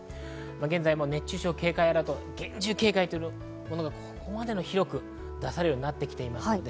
現在も熱中症警戒アラート、厳重警戒というものがここまで広く出されるようになってきています。